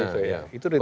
itu udah ditangani